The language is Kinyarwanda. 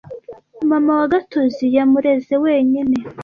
Mama wa Gatozi yamureze wenyine.